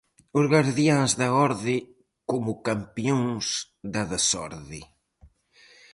Os gardiáns da orde como campións da desorde.